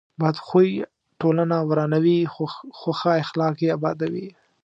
بد خوی ټولنه ورانوي، خو ښه اخلاق یې ابادوي.